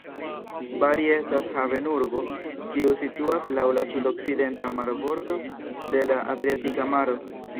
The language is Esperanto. Bari estas havenurbo, kiu situas laŭ la sudokcidenta marbordo de la Adriatika Maro.